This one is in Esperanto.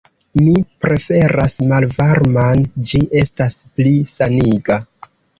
Mi preferas malvarman; ĝi estas pli saniga.